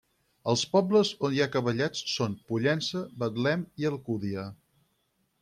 Els pobles on hi ha cavallets són Pollença, Betlem i Alcúdia.